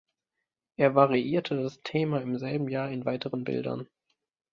Er variierte das Thema im selben Jahr in weiteren Bildern.